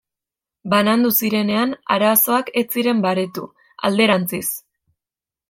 Banandu zirenean, arazoak ez ziren baretu; alderantziz.